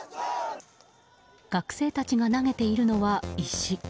学生たちが投げているのは石。